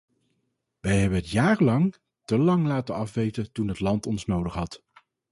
Wij hebben het jarenlang, te lang laten afweten toen het land ons nodig had.